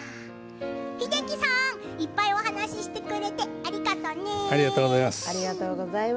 英樹さん、いっぱいお話してくれありがとうございます。